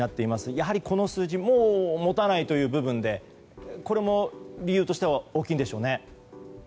やはり、この数字もう持たない部分でこれも理由としては大きいですよね。